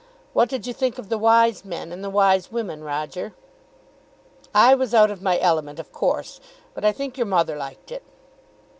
What did you think of the wise men and the wise women, Roger?" "I was out of my element, of course; but I think your mother liked it."